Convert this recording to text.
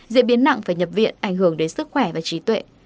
diễn biến nặng phải nhập viện ảnh hưởng đến sức khỏe và trí tuệ